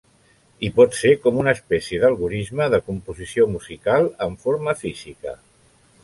I pot ser com una espècie d'algorisme de composició musical en forma física.